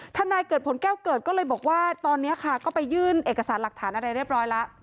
นายเกิดผลแก้วเกิดก็เลยบอกว่าตอนนี้ค่ะก็ไปยื่นเอกสารหลักฐานอะไรเรียบร้อยแล้ว